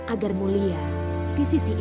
agar mulia di sisi ini